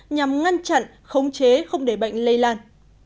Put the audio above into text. nhằm ngăn chặn khống chế không để bệnh lây lan